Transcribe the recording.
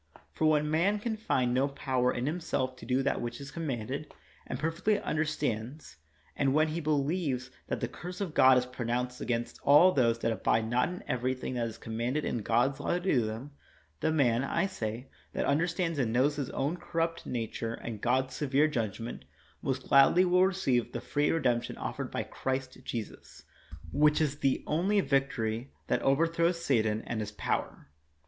For when man can find no power in himself to do that which is commanded, and per fectly understands, and when he believes that the curse of God is pronounced against all those that abide not in everything that is commanded in God's law to do them, — the man, I say, that understands and knows his own corrupt nature and God's severe judgment, most gladly will re ceive the free redemption offered by Christ Jesus, which is the only victory that overthrows Satan and his power.